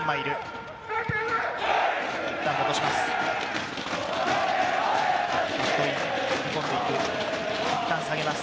いったん戻します。